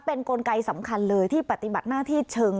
เป็นกลไกสำคัญเลยที่ปฏิบัติหน้าที่เชิง